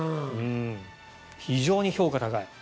非常に評価高い。